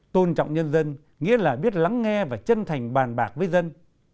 tôn trọng nhân dân nghĩa là biết lắng nghe và chân thành bàn bạc với dân